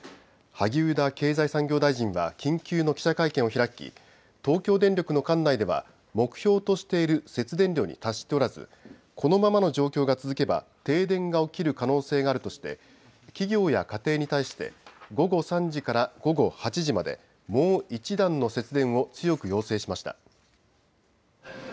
萩生田経済産業大臣は緊急の記者会見を開き東京電力の管内では目標としている節電量に達しておらずこのままの状況が続けば停電が起きる可能性があるとして企業や家庭に対して午後３時から午後８時までもう一段の節電を強く要請しました。